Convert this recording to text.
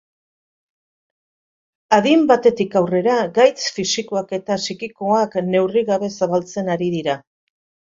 Adin batetik aurrera gaitz fisikoak eta psikikoak neurri gabe zabaltzen ari dira.